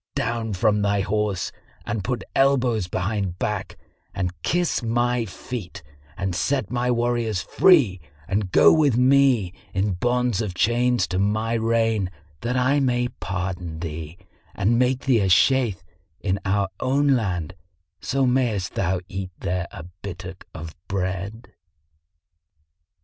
Down from thy horse and put elbows behind back and kiss my feet and set my warriors free and go with me in bond of chains to my reign that I may pardon thee and make thee a Shaykh in our own land, so mayst thou eat there a bittock of bread."